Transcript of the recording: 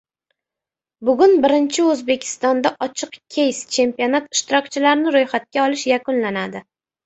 Bugun birinchi O‘zbekiston ochiq keys-chempionat ishtirokchilarini ro‘yxatga olish yakunlanadi